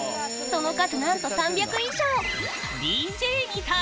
その数、なんと３００以上！